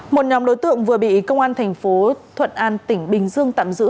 một nhóm đối tượng vừa bị công an thành phố thuận an tỉnh bình dương tạm giữ